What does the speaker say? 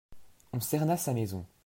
On cerna sa maison.